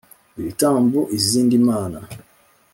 ibitambo izindi mana